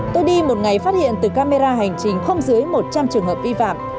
tôi đi một ngày phát hiện từ camera hành trình không dưới một trăm linh trường hợp vi phạm